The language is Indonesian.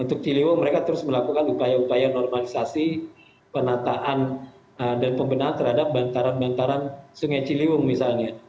untuk ciliwung mereka terus melakukan upaya upaya normalisasi penataan dan pembinaan terhadap bantaran bantaran sungai ciliwung misalnya